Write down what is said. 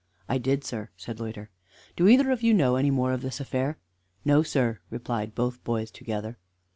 "I did, sir," said Loiter. "Do either of you know any more of this affair?" "No, sir," replied both boys together.